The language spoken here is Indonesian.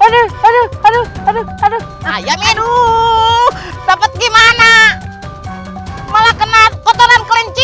aduh aduh aduh aduh aduh aduh aduh dapet gimana malah kena kotoran kelinci